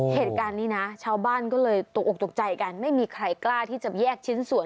เหตุการณ์นี้นะชาวบ้านก็เลยตกออกตกใจกันไม่มีใครกล้าที่จะแยกชิ้นส่วน